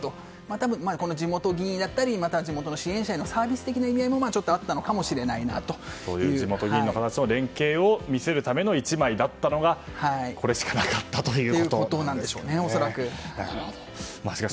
多分、地元議員だったり地元の支援者へのサービス的な意味合いもちょっと地元議員の方たちとの連携を見せる１枚だったのがこれしかなかったということなんでしょうか。